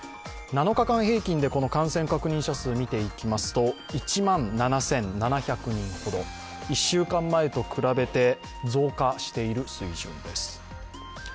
７日間平均で感染確認者数を見ていきますと１万７７００人ほど、１週間前と比べて増加している水準です。